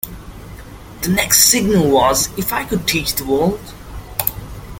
The next single was "If I Could Teach the World".